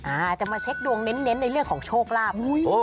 อาจจะมาเช็คดวงเน้นในเรื่องของโชคลาภ